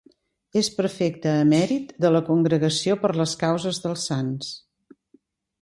És Prefecte emèrit de la Congregació per a les Causes dels Sants.